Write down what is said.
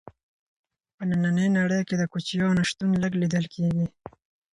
په ننۍ نړۍ کې د کوچیانو شتون لږ لیدل کیږي.